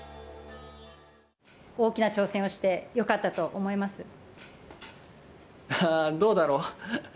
大きな挑戦をしてよかったとどうだろう。